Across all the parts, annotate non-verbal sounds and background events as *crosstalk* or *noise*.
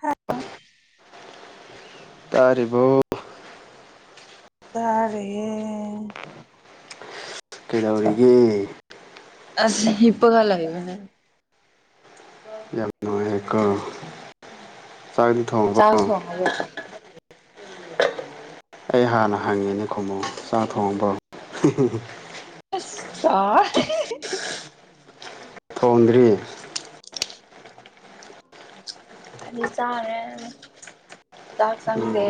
ꯍꯥ ꯇꯥꯔꯤꯕꯣ ꯇꯥꯔꯤꯌꯦ ꯀꯩꯗꯧꯔꯤꯒꯦ ꯑꯁ ꯍꯤꯞꯄꯒ ꯂꯩꯕꯅꯦ ꯌꯥꯝ ꯅꯨꯡꯉꯥꯏꯀꯣ ꯆꯥꯛꯗꯤ ꯊꯣꯡꯉꯕꯣ ꯑꯋꯥ ꯑꯩ ꯍꯥꯟꯅ ꯍꯪꯉꯤꯅꯦ ꯈꯝꯃꯣ ꯆꯥꯛ ꯊꯣꯡꯉꯥꯕꯣ ꯍꯁ ꯊꯣꯟꯗ꯭ꯔꯤ ꯑꯩꯗꯤ ꯆꯥꯔꯦ ꯆꯥꯛ ꯆꯪꯗꯦ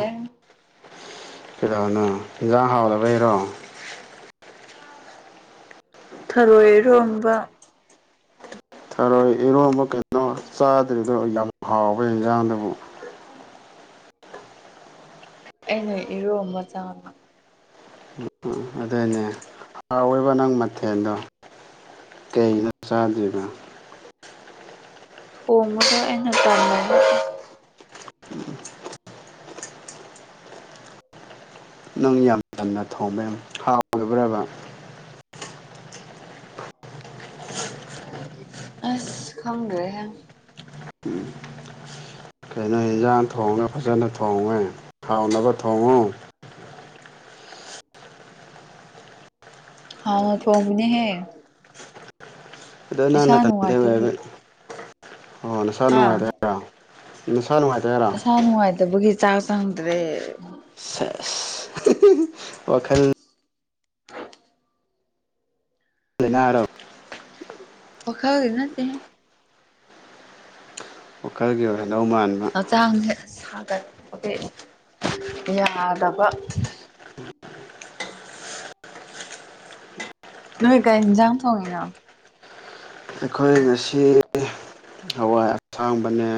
ꯀꯩꯗꯧꯕꯅꯣ ꯏꯟꯁꯥꯡ ꯍꯥꯎꯔꯕꯩꯔꯣ ꯊꯥꯔꯣꯏ ꯢꯔꯣꯝꯕ ꯍꯣꯏ ꯏꯔꯣꯝꯕ ꯀꯩꯅꯣ ꯆꯥꯗ꯭ꯔꯤꯗꯣ ꯌꯥꯝ ꯍꯥꯎꯕ ꯏꯟꯖꯥꯡꯗꯨꯕꯨ ꯑꯩꯅ ꯏꯔꯣꯝꯕ ꯆꯥꯗꯕ ꯑꯗꯨꯅꯦ ꯍꯥꯎꯋꯦꯕ ꯅꯪ ꯃꯊꯦꯜꯗꯣ ꯀꯩꯒꯤꯅꯣ ꯆꯥꯗ꯭ꯔꯤꯅ ꯊꯣꯡꯕꯗꯣ ꯑꯩꯅ ꯇꯥꯜꯂꯕ ꯅꯪ ꯌꯥꯝ ꯉꯟꯅ ꯊꯣꯡꯕ ꯍꯥꯎꯗꯕ꯭ꯔꯕ ꯑꯣ *inaudible* ꯑꯁ ꯈꯪꯗ꯭ꯔꯦꯍꯦ ꯀꯩꯅꯣ ꯑꯦꯟꯖꯥꯡ ꯊꯣꯡꯉ ꯐꯖꯅ ꯊꯣꯡꯉꯦ ꯍꯥꯎꯅꯕ ꯊꯣꯡꯉꯨ ꯍꯥꯎꯅ ꯊꯣꯡꯕꯅꯦꯍꯦ ꯑꯗꯣ ꯅꯪ ꯏꯁꯥ ꯅꯊꯟꯗ ꯅꯨꯡꯉꯥꯏꯇꯕ ꯑꯣꯏꯕꯩ ꯑꯣ ꯅꯁꯥ ꯍꯥ ꯅꯨꯡꯉꯥꯏꯇꯦ ꯍꯥꯢꯔꯣ ꯅꯨꯡꯉꯥꯏꯇꯦ ꯍꯥꯢꯔꯣ ꯏꯁꯥ ꯅꯨꯡꯉꯥꯏꯇꯕꯒꯤ ꯆꯥꯛ ꯆꯪꯗ꯭ꯔꯦ ꯁꯦꯁ ꯋꯥꯈꯜ ꯇ *inaudible* ꯋꯈꯥꯜ ꯂꯩꯅꯔꯣ ꯋꯈꯥꯜꯒꯤ ꯅꯠꯇꯦꯍꯦ ꯋꯥꯈꯜꯒꯤ ꯑꯣꯏꯒꯗꯧ ꯃꯜꯂꯤꯍꯦ ꯍꯛꯆꯥꯡꯁꯦ ꯁꯥꯒꯠꯄꯒꯤ ꯌꯥꯗꯕ ꯅꯣꯏ ꯀꯥꯏ ꯍꯟꯖꯥꯡ ꯊꯣꯡꯉꯤꯅꯣ ꯑꯩꯈꯣꯏ ꯉꯁꯤ ꯍꯋꯥꯏ ꯑꯁꯥꯡꯕꯅꯦ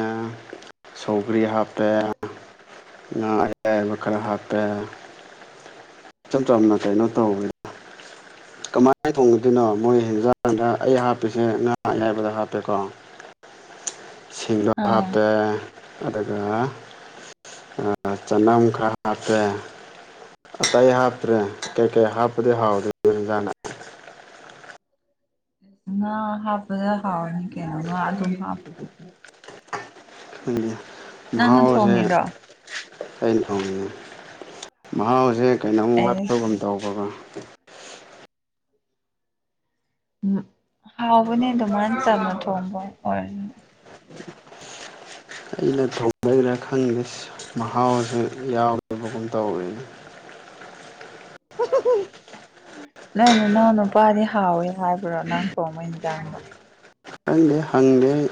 ꯁꯧꯒ꯭ꯔꯤ ꯍꯥꯞꯄꯦ ꯉꯥ ꯒꯌꯥꯢꯕ ꯈꯔ ꯍꯥꯞꯄꯦ ꯏꯆꯝ ꯆꯝꯅ ꯀꯩꯅꯣ ꯇꯧꯋꯦꯗ ꯀꯃꯥꯏꯅ ꯊꯣꯡꯒꯗꯣꯏꯅꯣ ꯃꯣꯏ ꯍꯦꯟꯖꯥꯡꯗ ꯑꯩ ꯍꯥꯄꯤꯁꯦ ꯉꯥ ꯑꯌꯥꯏꯕꯗ ꯍꯥꯞꯄꯦꯀꯣ ꯁꯤꯡꯗꯣ ꯑꯥ ꯍꯥꯞꯄꯦ ꯑꯗꯨꯒ ꯆꯅꯥꯝ ꯈꯔ ꯈꯥꯞꯄꯦ ꯑꯇꯩ ꯍꯥꯞꯇ꯭ꯔꯦ ꯀꯩꯀꯩ ꯍꯥꯞꯄꯗꯤ ꯍꯥꯎꯗꯦ ꯌꯦꯟꯖꯥꯡꯗ *inaudible* ꯉꯥ ꯍꯥꯞꯄꯗ ꯍꯥꯥꯎꯅꯤ ꯀꯩꯅꯣ ꯑꯗꯨꯝ ꯍꯥꯞꯄꯣ ꯅꯪꯅ ꯃꯍꯥꯎꯁꯦ ꯊꯣꯡꯉꯤꯔꯣ ꯑꯩꯅ ꯊꯣꯡꯉꯤꯅꯦ ꯃꯍꯥꯎꯁꯦ ꯀꯩꯅꯣꯝ ꯋꯥꯠꯄꯒꯨꯝ ꯑꯩꯁ ꯇꯧꯕꯅꯦ ꯎꯝ ꯍꯥꯎꯕꯅꯦ ꯑꯗꯨ ꯃꯥꯥꯏꯅ ꯆꯝꯅ ꯊꯣꯡꯕ ꯑꯣꯏꯔꯁꯨ ꯑꯩꯅ ꯊꯣꯡꯕꯩꯩꯅ ꯈꯪꯗꯦ ꯃꯍꯥꯎꯁꯨ ꯌꯥꯎꯕꯒꯨꯝ ꯇꯧꯋꯦꯅꯦ ꯅꯪ ꯅꯅꯥꯎ ꯅꯨꯄꯥꯗꯤ ꯍꯥꯎꯋꯦ ꯍꯥꯏꯕ꯭ꯔꯣ ꯅꯪ ꯊꯣꯡꯕ ꯌꯦꯟꯖꯥꯡꯗꯣ ꯈꯪꯗꯦ ꯍꯪꯗꯦ ꯑꯩ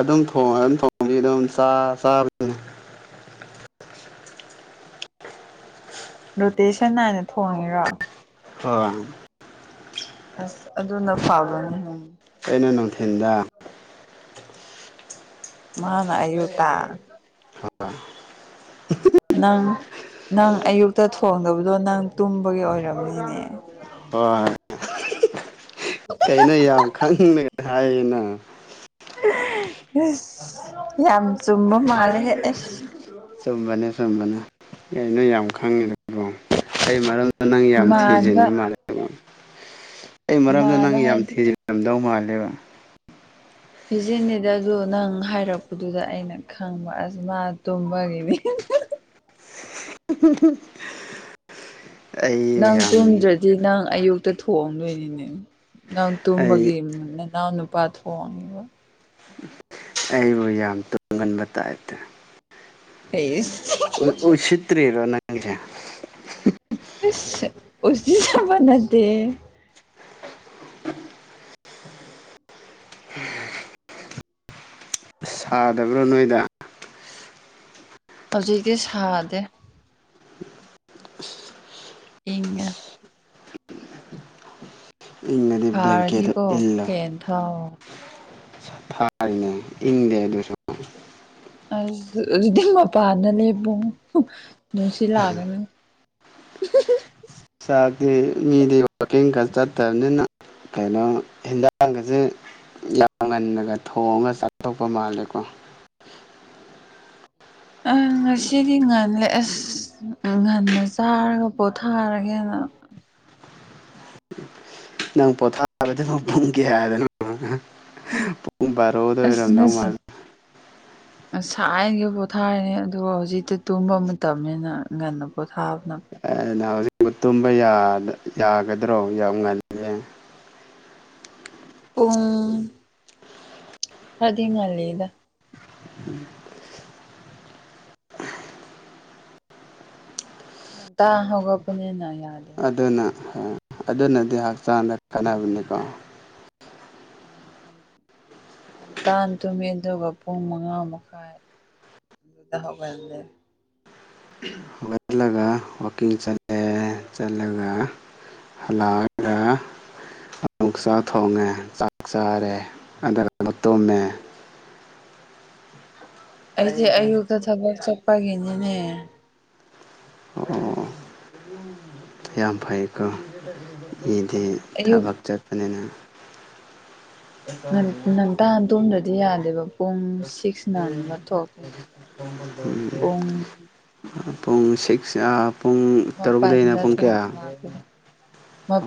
ꯑꯗꯨꯝ ꯑꯗꯨꯝ ꯊꯣꯡꯗꯤ ꯑꯗꯨꯝ ꯆꯥ ꯆꯥ ꯔꯣꯇꯦꯁꯟ ꯅꯥꯏꯅ ꯊꯣꯡꯉꯤꯔꯣ ꯑꯥ ꯑꯁ ꯑꯗꯨꯅ ꯐꯥꯕꯅꯦ ꯑꯩꯅ ꯅꯨꯡꯊꯤꯟꯗ ꯃꯥꯒ ꯑꯌꯨꯛꯇ ꯍꯣꯏ ꯅꯪ ꯅꯪ ꯑꯌꯨꯛꯇ ꯊꯣꯡꯗꯕꯗꯣ ꯅꯪ ꯇꯨꯝꯕꯒꯤ ꯑꯣꯏꯔꯝꯅꯤꯅꯦ ꯍꯣꯏ ꯀꯩꯅ ꯌꯥꯝ ꯈꯪꯅ ꯍꯥꯏꯌꯦꯅ ꯑꯁ ꯌꯥꯝ ꯆꯨꯝꯕ ꯃꯥꯜꯂꯦꯍꯦ ꯑꯁ ꯆꯨꯝꯕꯅꯦ ꯆꯨꯝꯕꯅꯦ ꯑꯩꯅ ꯌꯥꯝ ꯈꯪꯉꯤꯗꫭ ꯑꯩ ꯃꯔꯝꯗ ꯅꯪ ꯌꯥꯝ ꯃꯥꯟꯕ ꯊꯤꯖꯤꯟꯕ ꯃꯥꯂꯦꯕꯣ꯫ ꯑꯩ ꯃꯔꯝꯗ ꯅꯪ ꯃꯥꯟꯕ ꯌꯥꯝ ꯍꯥꯏꯗꯤ ꯊꯤꯖꯤꯜꯂꯝꯗꯧ ꯃꯥꯜꯂꯦꯕ꯫ ꯐꯤꯖꯤꯅꯤꯗꫭ ꯑꯗꯨ ꯅꯪ ꯍꯥꯏꯔꯛꯄꯗꯨꯗ ꯑꯩꯅ ꯈꯪꯕ ꯑꯁꯃꯥ ꯇꯨꯝꯕꯒꯤꯅꯤ꯫ *inaudible* ꯑꯩ ꯅꯪ ꯌꯥꯝ ꯇꯨꯝꯗ꯭ꯔꯗꯤ ꯅꯪ ꯑꯌꯨꯛꯇ ꯊꯣꯡꯗꯣꯏꯅꯤꯅꯦ ꯅꯪ ꯑꯩ ꯇꯨꯝꯕꯒꯤ ꯅꯅꯥꯎ ꯅꯨꯄꯥꯗꯨ ꯀꯣꯡꯏꯕ ꯑꯩꯕꯨ ꯌꯥꯝ ꯇꯨꯝꯒꯟꯕ ꯇꯥꯞꯇꯥ ꯑꯩꯏꯁ ꯎ ꯎꯁꯤꯠꯇꯔꯤꯔꯣ ꯅꯪꯒꯤꯁꯦ ꯎꯁ ꯎꯁꯤꯠꯇꯕ ꯅꯠꯇꯦꯍꯦ ꯁꯥꯗꯕ꯭ꯔꯥ ꯅꯣꯏꯗ ꯍꯧꯖꯤꯛꯇꯤ ꯁꯥꯗꯦ ꯏꯪꯉꯦ ꯏꯪꯉꯗꯤ ꯕ꯭ꯂꯦꯡꯀꯦꯠꯇ ꯁꯥꯔꯗꯤꯀꯣ ꯏꯜꯂꯣ ꯐꯦꯟ ꯊꯥꯎꯑꯣ ꯊꯥꯔꯤꯅꯦ ꯏꯪꯗꯦ ꯑꯗꯨꯁꯨ *inaudible* ꯑꯁ ꯑꯗꯨꯗꯤ ꯃꯄꯥꯟꯗ ꯂꯦꯄꯣ ꯅꯨꯡꯁꯤꯠ ꯂꯥꯛꯀꯅꯤ *inaudible* ꯆꯥꯛꯇꯤ ꯃꯤꯗꯤ ꯋꯥꯛꯀꯤꯡꯒ ꯆꯠꯇꯕꯅꯤꯅ ꯀꯩꯅꯣ ꯍꯤꯟꯖꯥꯡꯒꯁꯦ꯫ ꯌꯥꯝ ꯉꯟꯅꯒ ꯊꯣꯡꯉ ꯆꯠꯇꯣꯕ ꯃꯥꯜꯂꯦꯀꯣ꯫ ꯑꯁ ꯉꯁꯤꯗꯤ ꯉꯥꯜꯂꯦ ꯑꯁ ꯉꯟꯅ ꯆꯥꯔꯒ ꯄꯣꯊꯥꯔꯒꯦꯅ ꯅꯪ ꯄꯣꯊꯥꯔꯗꯤ ꯉꫭ ꯄꯨꯡ ꯀꯌꯥꯗꯅꫭ ꯄꯨꯡ ꯚ꯭ꯔꯣ ꯑꯁ ꯅꯁꯥ ꯉꯁꯥꯏꯒꯤ ꯄꯣꯊꯥꯔꯤꯅꯤ ꯑꯗꯨꯒ ꯍꯧꯖꯤꯛꯇꯤ ꯇꯨꯝꯕ ꯃꯇꯝꯅꯤꯅ ꯉꯟꯅ ꯄꯣꯊꯥꯕꯅ ꯐꯠꯇ꯭ꯔꯣ ꯑ ꯍꯧꯖꯤꯛꯄꯨ ꯇꯨꯝꯕ ꯌꯥꯒ ꯌꯥꯒꯗ꯭ꯔꯣ ꯌꯥꯝ ꯉꯜꯂꯦ꯫ ꯄꯨꯡ ꯈꯔꯗꯤ ꯉꯜꯂꯤꯗ *inaudible* ꯉꯟꯇ ꯍꯧꯒꯠꯄꯅꯤꯅ ꯌꯥꯗꯦ꯫ ꯑꯗꯨꯅ ꯍꯣꯏ ꯑꯗꯨꯅꯗꯤ ꯍꯛꯆꯥꯡꯗ ꯀꯥꯟꯅꯕꯅꯤꯀꯣ꯫ ꯉꯟꯇꯥꯅ ꯇꯨꯝꯃꯦ ꯑꯗꯨꯒ ꯄꯨꯡ ꯃꯉꯥ ꯃꯈꯥꯏ ꯑꯗꯨꯗ ꯍꯧꯒꯠꯂꯦ ꯍꯧꯒꯠꯂꯒ ꯋꯥꯀꯤꯡ ꯆꯠꯂꯦ ꯆꯠꯂꯒ ꯍꯜꯂꯛꯑꯒꯥ ꯑꯃꯨꯛ ꯆꯥꯛ ꯊꯣꯡꯉꯦ ꯆꯥꯛ ꯆꯥꯔꯦ ꯑꯗꯨꯒ ꯑꯃꯨꯛ ꯇꯨꯝꯃꯦ꯫ ꯑꯩꯗꯤ ꯇꯥꯏꯌꯦ ꯇꯥꯏꯌꯦ꯫ ꯑꯌꯨꯛꯇ ꯊꯕꯛ ꯆꯠꯄꯒꯤꯅꯤꯅꯦ꯫ ꯑꯣ ꯌꯥꯝ ꯐꯩꯀꯣ ꯃꯤꯗꯤ ꯑꯌꯨꯛ ꯊꯕꯛ ꯆꯠꯄꯅꯤꯅ ꯉꯟ ꯉꯟꯇꯥ ꯇꯨꯝꯗ꯭ꯔꯗꯤ ꯌꯥꯗꯦꯕ ꯄꯨꯡ ꯁꯤꯛꯁ ꯅꯥꯟ ꯑꯃ ꯊꯣꯛ *unintelligible* ꯄꯨꯡ ꯄꯨꯡ ꯁꯤꯛꯁ ꯑ ꯄꯨꯡ ꯇꯔꯨꯛꯗꯩꯅ ꯃꯥꯄꯜꯗ ꯄꯨꯡ ꯀꯌꯥ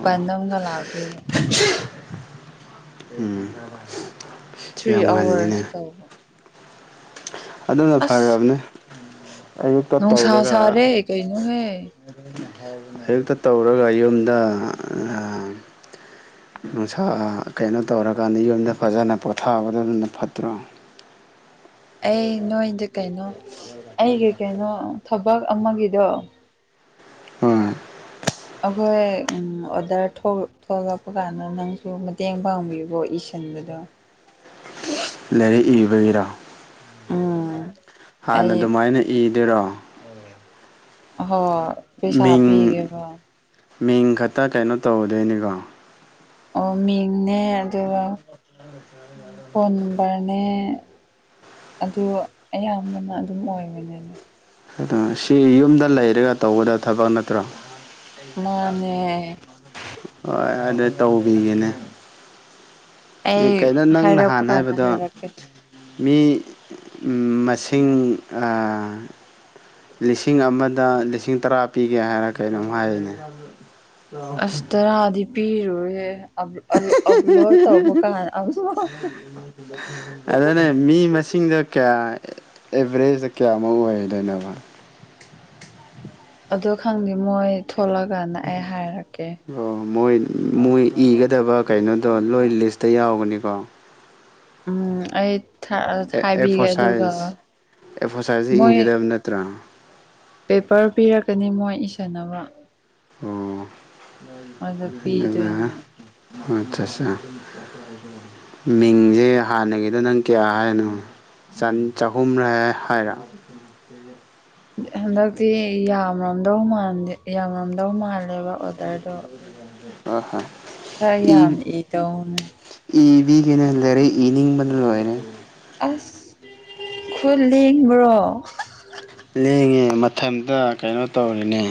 ꯑꯣ ꯑꯝꯒ ꯂꯥꯛꯗꯣꯏꯕ *unintelligible* ꯎꯝ ꯊ꯭ꯔꯤ ꯌꯥꯝ ꯉꯜꯂꯤꯅꯦ ꯑꯋꯥꯔꯁ ꯇꯧꯕ ꯑꯗꯨꯅ ꯑꯁ ꯐꯔꯕꯅꯦ ꯑꯌꯨꯛꯇ ꯅꯨꯡꯁꯥ ꯇꯧꯔꯒ ꯁꯥꯔꯦ ꯀꯩꯅꯣꯍꯦ ꯑꯌꯨꯛꯇ ꯇꯧꯔꯒ ꯌꯨꯝꯗ ꯅꯨꯡꯁꯥ ꯀꯩꯅꯣ ꯇꯧꯔꯀꯥꯟꯗ ꯌꯨꯝꯗ ꯐꯖꯅ ꯄꯣꯊꯥꯕꯗꯣ ꯑꯗꯨꯅ ꯐꯠꯇ꯭ꯔꯣ ꯑꯩ ꯅꯣꯏꯗ ꯀꯩꯅꯣ ꯑꯩꯒꯤ ꯀꯩꯅꯣ ꯊꯕꯛ ꯑꯃꯒꯤꯗꯣ ꯍꯣꯏ ꯑꯈꯣꯏ ꯎꯝ ꯑꯣꯗꯔ ꯊꯣꯛ ꯊꯣꯛꯂꯛꯄ ꯀꯥꯟꯗ ꯅꯪꯁꯨ ꯃꯇꯦꯡ ꯄꯥꯡꯕꯤꯌꯨꯀꯣ ꯏꯁ ꯆꯟꯕꯗꯣ ꯂꯥꯏꯔꯤꯛ ꯏꯕꯒꯤꯔꯥ ꯎꯝ ꯍꯥꯟꯅ ꯑꯩ ꯑꯗꯨꯃꯥꯏꯅ ꯏꯗꯣꯏꯔꯣ ꯑꯍꯣꯏ ꯃꯤꯡ ꯃꯤꯡ ꯈꯠꯇ ꯀꯩꯅꯣ ꯇꯧꯗꯣꯏꯅꯤꯀꯣ ꯑꯣ ꯃꯤꯡꯅꯦ ꯑꯗꯨꯒ ꯐꯣꯟ ꯄꯔꯅꯦ ꯑꯗꯨꯒ ꯑꯌꯥꯝꯕꯅ ꯑꯗꯨꯝ ꯑꯣꯏꯕꯅꯦꯕ ꯑꯗꯨ ꯁꯤ ꯌꯨꯝꯗ ꯂꯩꯔꯒ ꯇꯧꯕꯗ ꯊꯕꯛ ꯅꯠꯇ꯭ꯔꯣ ꯃꯥꯅꯦ ꯍꯣꯏ ꯑꯗꯨ ꯇꯧꯕꯤꯒꯅꯦ ꯑꯩ *unintelligible* ꯀꯩꯅꯣ ꯅꯪ ꯍꯥꯏꯔꯛꯄ ꯅꯍꯥꯟ ꯀꯥꯟꯗ ꯍꯥꯏꯕꯗꯣ ꯍꯥꯏꯔꯛꯀꯦ ꯃꯤ ꯃꯁꯤꯡ ꯑꯥ ꯂꯤꯁꯤꯡ ꯑꯃꯗ ꯂꯤꯁꯤꯡ ꯇꯔꯥ ꯄꯤꯒꯦ ꯍꯥꯏꯔ ꯀꯩꯅꯣꯝ ꯍꯥꯏꯔꯤꯅꯦ ꯑꯁ ꯇꯔꯥꯗꯤ ꯄꯤꯔꯣꯏꯍꯦ ꯑꯜ ꯑꯞꯂꯣꯠ ꯇꯧꯕ ꯀꯥꯟ ꯑꯃ ꯑꯗꯨꯅꯦ ꯃꯤ ꯃꯁꯤꯡꯗ ꯀꯌꯥ ꯑꯦꯚꯔꯦꯖꯇ ꯀꯌꯥꯃꯨꯛ ꯑꯣꯏꯒꯗꯣꯏꯅꯣꯕ ꯑꯗꯨ ꯈꯪꯗꯦ ꯃꯣꯏ ꯊꯣꯛꯂꯛꯀꯟꯗ ꯑꯩ ꯍꯥꯏꯔꯛꯀꯦ ꯑꯣ ꯃꯣꯏ ꯃꯣꯏ ꯏꯒꯗꯕ ꯀꯩꯅꯣꯗꯣ ꯂꯣꯏ ꯂꯤꯁꯇ ꯌꯥꯎꯒꯅꯤꯀꯣ ꯎꯝ ꯑꯩ ꯑꯦ ꯍꯥꯏꯕꯤꯒꯦ ꯑꯗꯨꯒ ꯑꯦꯐꯣꯁꯥꯏꯖ ꯑꯦꯐꯣꯁꯥꯏꯖꯇ ꯃꯣꯏ ꯏꯒꯗꯕ ꯅꯠꯇ꯭ꯔꯥ ꯄꯦꯄꯔ ꯄꯤꯔꯛꯀꯅꯤ ꯃꯣꯏ ꯏꯁꯟꯅꯕ ꯑꯣ ꯑꯗꯨ ꯑꯗꯨꯒ ꯄꯤꯗꯣꯏꯅꯦ ꯑꯠꯆꯥ ꯆꯥ ꯃꯤꯡꯖꯦ ꯍꯥꯟꯅꯒꯤꯗꯣ ꯅꯪ ꯀꯌꯥ ꯍꯥꯏꯅꯣ ꯆꯅꯤ ꯆꯍꯨꯝꯔꯥ ꯍꯥꯏꯔꯣ ꯍꯟꯗꯛꯇꯤ ꯌꯥꯝꯔꯝꯗꯧ ꯃꯥꯟꯗꯦ ꯌꯥꯝꯔꯝꯗꯧ ꯃꯥꯜ ꯗꯦꯕ ꯑꯣꯗꯔꯗꯣ ꯍꯣꯏ ꯈꯔ ꯌꯥꯝ ꯏꯗꯧꯅꯦ ꯏꯕꯤꯒꯦꯅ ꯂꯥꯏꯔꯤꯛ ꯏꯅꯤꯡꯕꯅ ꯂꯣꯏꯔꯦ ꯑꯁ ꯈꯨꯠ ꯂꯦꯡꯕ꯭ꯔꯣ ꯂꯦꯡꯉꯦ ꯃꯊꯟꯇ ꯀꯩꯅꯣ ꯇꯧꯔꯦꯅꯦ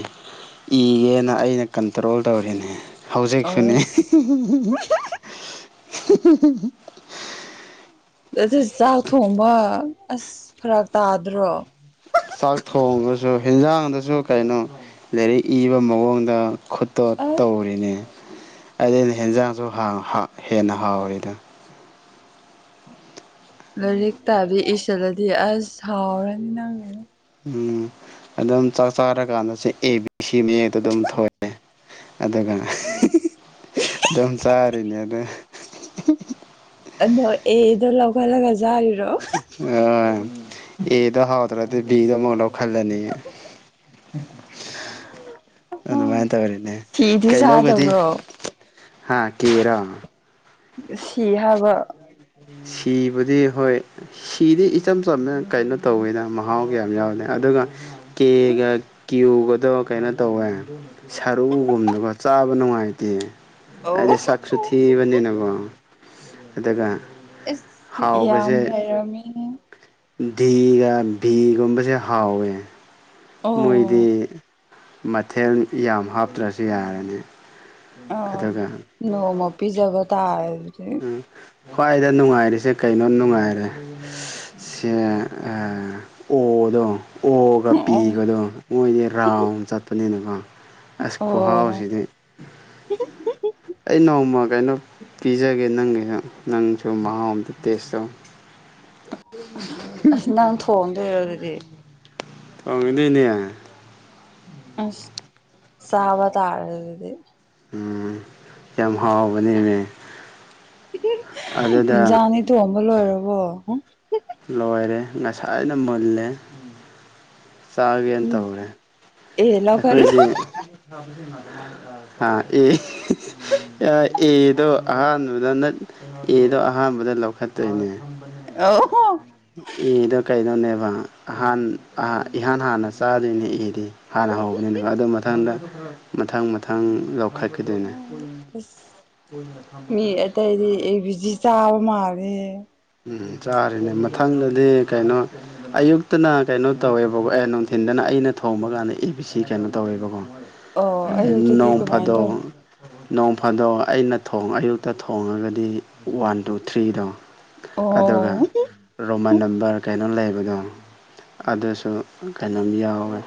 ꯏꯒꯦꯅ ꯑꯩꯅ ꯀꯟꯇ꯭ꯔꯣꯜ ꯇꯧꯔꯦꯅꯦ ꯍꯧꯖꯤꯛꯁꯨꯅꯦ ꯑꯁ ꯑꯗꯨ ꯆꯥꯛ ꯊꯣꯡꯕ ꯑꯁ ꯐꯔꯥꯛ ꯇꯥꯗ꯭ꯔꯣ ꯆꯥꯛ ꯊꯣꯡꯉꯁꯨ ꯍꯦꯟꯖꯥꯡꯗꯁꯨ ꯀꯩꯅꯣ ꯂꯥꯏꯔꯤꯛ ꯏꯕ ꯃꯑꯣꯡꯗ ꯈꯨꯠꯇꯣ ꯑꯁ ꯇꯧꯔꯤꯅꯦ ꯑꯗꯨꯅ ꯍꯦꯟꯖꯥꯡꯁꯨ ꯍꯥꯎ ꯍꯦꯟꯅ ꯍꯥꯎꯔꯤꯗꯣ ꯂꯥꯏꯔꯤꯛ ꯇꯥꯇꯤ ꯏꯁꯤꯜꯂꯗꯤ ꯑꯁ ꯍꯥꯎꯔꯅꯤ ꯅꯪ ꯎꯝ ꯑꯗꯨꯝ ꯆꯥꯛ ꯆꯥꯔꯀꯥꯟꯗꯁꯨ ꯑꯦ ꯕꯤ ꯁꯤ ꯃꯌꯦꯛꯇꯣ ꯑꯗꯨꯝ ꯊꯣꯛꯑꯦ ꯑꯗꯨꯒ ꯑꯗꯨꯝ ꯆꯥꯔꯤꯅꯦ ꯑ ꯑꯗꯣ ꯑꯦꯗꯣ ꯂꯧꯒꯠꯂꯒ ꯥꯆꯥꯔꯤ ꯑ ꯑꯦꯗ ꯍꯥꯎꯇꯔꯗꯤ ꯕꯤꯗꯨ ꯑꯃꯨꯛ ꯂꯧꯈꯠꯂꯅꯤ ꯑꯗꯨꯃꯥꯏꯅ ꯇꯧꯔꯤꯅꯦ ꯁꯤꯗꯤ ꯀꯩꯅꯣꯕꯨꯗꯤ ꯆꯥꯗꯕ꯭ꯔꯣ ꯍꯥꯥ ꯀꯦꯔ ꯁꯤ ꯍꯥꯏꯕ ꯁꯤ ꯕꯨꯗꯤ ꯍꯣꯏ ꯁꯤꯗꯤ ꯏꯆꯝ ꯆꯝꯅ ꯀꯩꯅꯣ ꯇꯧꯋꯤꯅ ꯃꯍꯥꯎ ꯀꯌꯥꯝ ꯌꯥꯎꯗꯦ ꯑꯗꯨꯒ ꯀꯦꯒ ꯀ꯭ꯌꯨꯒꯗꯣ ꯀꯩꯅꯣ ꯇꯧꯋꯦ ꯁꯔꯨꯒꯨꯝꯕꯗꯀꯣ ꯆꯥꯕ ꯅꯨꯡꯉꯥꯏꯇꯦ ꯑꯧ ꯍꯥꯏꯗꯤ ꯁꯛꯁꯨ ꯊꯤꯕꯅꯤꯀꯣ ꯑꯗꯨꯒ ꯑꯁ ꯌꯥꯝ ꯍꯥꯏꯩꯔꯝꯃꯦꯅꯦ ꯗꯤꯒ ꯚꯤꯒꯨꯝꯕꯁꯦ ꯍꯥꯎꯋꯦ ꯃꯣꯏꯗꯤ ꯑꯣ ꯃꯊꯦꯜ ꯌꯥꯝ ꯍꯥꯞꯇ꯭ꯔꯁꯨ ꯌꯥꯔꯅꯤ ꯑꯥ ꯑꯗꯨꯒ ꯅꯣꯡꯃ ꯄꯤꯖꯥꯕꯥ ꯇꯥꯔꯦ ꯑꯗꯨꯗꯤ ꯎꯝ ꯈ꯭ꯋꯥꯏꯗ ꯅꯨꯡꯉꯥꯏꯔꯤꯁꯦ ꯀꯩꯅꯣ ꯅꯨꯡꯉꯥꯏꯔꯦ ꯁꯤ ꯑꯣꯗꯣ ꯑꯣꯒ ꯑꯣ ꯄꯤꯒꯗꯣ ꯃꯣꯏꯗꯤ ꯔꯥꯎꯟ ꯆꯠꯄꯅꯤꯅꯀꯣ ꯑꯁ ꯑꯣ ꯈꯨꯍꯥꯎꯁꯤꯗꯤ ꯑꯩ ꯅꯣꯡꯃ ꯀꯩꯅꯣ ꯄꯤꯖꯒꯦ ꯅꯪꯒꯤꯁꯨ ꯅꯪꯁꯨ ꯃꯍꯥꯎ ꯑꯝꯇ ꯇꯦꯁ ꯇꯧ *unintelligible* ꯑꯁ ꯅꯪ ꯊꯣꯡꯗꯣꯏꯔꯣ ꯑꯗꯨꯗꯤ ꯊꯣꯡꯗꯣꯏꯅꯦ ꯑꯁ ꯆꯕꯥ ꯇꯥꯔꯦ ꯑꯗꯨꯗꯤ ꯎꯝ ꯌꯥꯝ ꯍꯥꯎꯕꯅꯦꯃꯦ ꯑꯗꯨꯗ ꯏꯟꯖꯥꯡꯗꯤ ꯊꯣꯡꯕ ꯂꯣꯏꯔꯕꯣ ꯂꯣꯏꯔꯦ ꯉꯁꯥꯏꯅ ꯃꯨꯜꯂꯦ ꯆꯥꯒꯦꯅ ꯇꯧꯔꯦ ꯑꯦ ꯂꯧꯈꯠꯂꯣ ꯑꯩꯈꯣꯏꯗꯤ ꯍꯥꯥ ꯑꯦ ꯑꯦꯗꯣ ꯑꯍꯥꯟꯕꯗ ꯑꯦꯗꯣ ꯑꯍꯥꯟꯕꯗ ꯂꯧꯈꯠꯇꯣꯏꯅꯦ ꯑ ꯍꯣ ꯑꯦꯗꯣ ꯀꯩꯗꯧꯅꯦꯕ ꯑꯍꯥꯟ ꯏꯍꯥꯟ ꯍꯥꯟꯅ ꯆꯥꯗꯣꯏꯅꯦ ꯑꯦꯗꯤ ꯍꯥꯟꯅ ꯍꯧꯕꯅꯤꯅꯦꯕ ꯑꯗꯨ ꯃꯊꯪꯗ ꯃꯊꯪ ꯃꯊꯪ ꯂꯧꯈꯠ ꯀꯗꯅꯦ ꯑꯁ ꯃꯤ ꯑꯇꯩꯗꯤ ꯑꯩ ꯕꯤ ꯖꯤ ꯆꯥꯕ ꯃꯥꯜꯂꯦ ꯎꯝ ꯆꯥꯔꯤꯅꯦ ꯃꯊꯪꯗꯗꯤ ꯀꯩꯅꯣ ꯑꯌꯨꯛꯇꯅ ꯀꯩꯅꯣ ꯇꯧꯋꯦꯕꯀꯣ ꯑꯦ ꯅꯨꯡꯊꯤꯟꯜꯗꯅ ꯑꯩꯅ ꯊꯣꯡꯕ ꯀꯥꯟꯗ ꯑꯦ ꯕꯤ ꯁꯤ ꯀꯩꯅꯣ ꯇꯧꯋꯦꯕꯀꯣ ꯑꯣ ꯑꯌꯨꯛꯇꯗꯤ ꯅꯣꯡ ꯀꯃꯥꯏꯅ ꯐꯥꯗꯣꯛ ꯇꯧ ꯅꯣꯡ ꯐꯥꯗꯣꯛ ꯑꯩꯅ ꯊꯣꯡꯉꯥꯒꯗꯤ ꯑꯌꯨꯛꯇ ꯊꯣꯡꯉꯒꯗꯤ ꯋꯥꯟ ꯇꯨ ꯊ꯭ꯔꯤꯗꯣ ꯑꯗꯨꯒ ꯑꯣ ꯔꯣꯃꯟ ꯅꯝꯕꯔ ꯀꯩꯅꯣ ꯂꯩꯕꯗꯣ ꯑꯗꯨꯁꯨ ꯀꯩꯅꯣꯝ ꯌꯥꯎꯋꯦ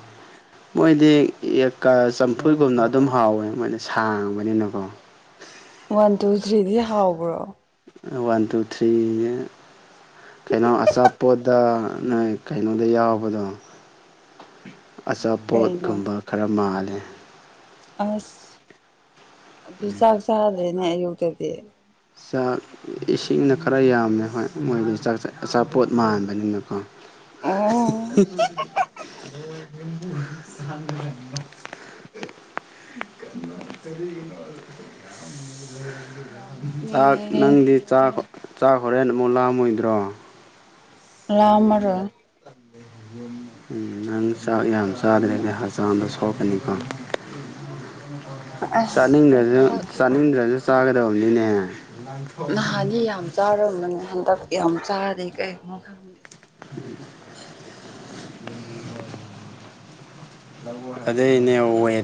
ꯃꯣꯏꯗꯤ ꯑꯦꯞ ꯀꯥ ꯆꯝꯐꯨꯠꯒꯨꯝꯅ ꯑꯗꯨꯝ ꯍꯥꯎꯕꯅꯤ ꯃꯣꯏꯗꯤ ꯁꯥꯡꯕꯅꯤꯅꯀꯣ ꯋꯥꯟ ꯇꯨ ꯊ꯭ꯔꯤꯗꯤ ꯍꯥꯎꯕ꯭ꯔꯣ ꯑꯥ ꯋꯥꯟ ꯇꯨ ꯊ꯭ꯔꯤ ꯅꯦ ꯀꯩꯅꯣ ꯑꯆꯥꯄꯣꯠꯗ ꯅꯣꯏ ꯀꯩꯅꯣꯗ ꯌꯥꯎꯕꯗꯣ ꯀꯩꯅꯣ ꯑꯆꯥꯄꯣꯠꯒꯨꯝꯕ ꯈꯔ ꯃꯥꯜꯂꯦ ꯑꯁ ꯑꯗꯨ ꯆꯥꯛ ꯆꯥꯗ꯭ꯔꯦꯅꯦ ꯑꯌꯨꯛꯇꯥꯗꯤ ꯆꯥꯛ ꯏꯁꯤꯡꯅ ꯈꯔ ꯌꯥꯝꯃꯦ ꯍꯣꯏ ꯃꯣꯏꯗꯤ ꯆꯥꯛ ꯑꯆꯥꯄꯣꯠ ꯃꯥꯟꯕꯅꯤꯅꯀꯣ ꯑꯣ *unintelligible* ꯌꯥꯝ ꯆꯥꯛ ꯅꯣꯛꯅꯤꯡꯉꯦꯍꯦ ꯅꯪꯗꯤ ꯆꯥꯛ ꯆꯥꯛ ꯍꯣꯔꯦꯟ ꯑꯃꯨꯛ ꯂꯥꯝꯃꯣꯏꯗ꯭ꯔꯣ ꯂꯥꯝꯃꯔꯣꯏ *inaudible* ꯎꯝ ꯅꯪ ꯆꯥꯛ ꯌꯥꯝ ꯆꯥꯗ꯭ꯔꯦꯗꯤ ꯍꯛꯆꯥꯡꯗꯣ ꯁꯣꯛꯀꯥꯅꯤꯀꯣ ꯑꯁ ꯆꯥꯅꯤꯡꯗ꯭ꯔꯥꯖꯨ ꯍꯟꯗꯛ ꯆꯥꯅꯤꯡꯗ꯭ꯔꯥꯖꯨ ꯆꯥꯒꯗꯕꯅꯤꯅꯦ ꯅꯍꯥꯟꯅꯤ ꯌꯥꯝ ꯆꯥꯔꯝꯕꯅꯤ ꯍꯟꯗꯛ ꯌꯥꯝ ꯆꯥꯗꯦ ꯀꯩꯒꯤꯅꯣ ꯈꯪꯗꯦ *inaudible* ꯑꯗꯩꯅꯦ ꯋꯦꯠ